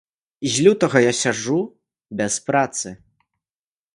І з лютага я сяджу без працы.